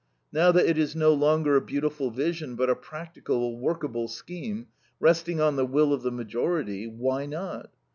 Now that it is no longer a beautiful vision, but a "practical, workable scheme," resting on the will of the majority, why not?